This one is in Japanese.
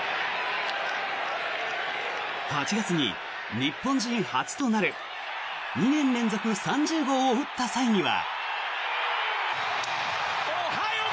８月に日本人初となる２年連続３０号を打った際には。